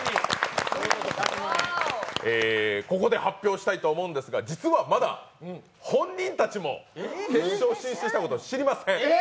ここで発表したいと思うんですが実はまだ本人たちも決勝進出したことを知りません！